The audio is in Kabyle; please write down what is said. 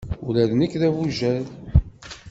Ula d nekk d abujad.